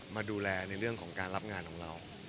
มาดูแลในเรื่องของการรับงานของเรา